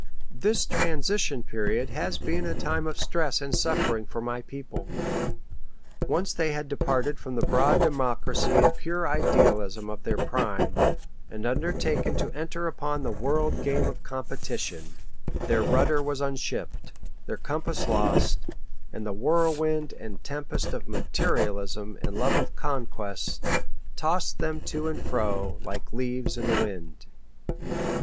This transition period has been a time of stress and suffering for my people. Once they had departed from the broad democracy and pure idealism of their prime, and undertaken to enter upon the world game of competition, their rudder was unshipped, their compass lost, and the whirlwind and tempest of materialism and love of conquest tossed them to and fro like leaves in the wind.